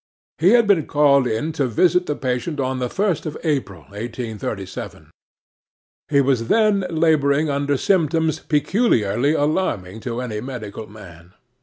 He had been called in to visit the patient on the 1st of April, 1837. He was then labouring under symptoms peculiarly alarming to any medical man.